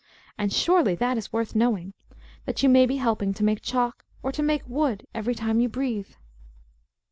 And surely that is worth knowing, that you may be helping to make chalk, or to make wood, every time you breathe.